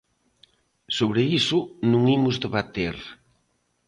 Sobre iso non imos debater.